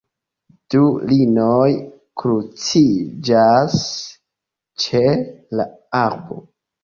Du linioj kruciĝas ĉe la arbo.